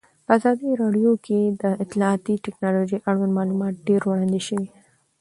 په ازادي راډیو کې د اطلاعاتی تکنالوژي اړوند معلومات ډېر وړاندې شوي.